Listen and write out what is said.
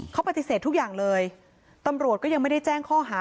เขาปฏิเสธทุกอย่างเลยตำรวจก็ยังไม่ได้แจ้งข้อหา